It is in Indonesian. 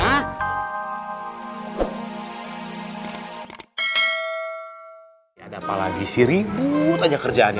ya ada apa lagi sih ribut aja kerjaannya